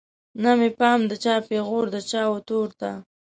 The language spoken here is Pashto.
نه مې پام د چا پیغور د چا وتور ته